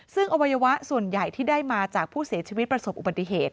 ซึ่งอวัยวะส่วนใหญ่ที่ได้มาจากผู้เสียชีวิตประสบอุบัติเหตุ